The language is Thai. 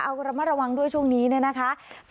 เอามาระวังด้วยช่วงนี้นะคะ